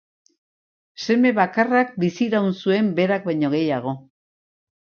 Seme bakarrak biziraun zuen berak baino gehiago.